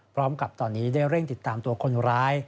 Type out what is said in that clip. พร้อมกับตอนนี้ได้เร่งติดตามตัวคนร้าย